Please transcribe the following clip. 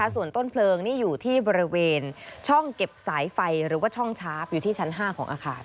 ส่วนต้นเพลิงนี่อยู่ที่บริเวณช่องเก็บสายไฟหรือว่าช่องชาร์ฟอยู่ที่ชั้น๕ของอาคาร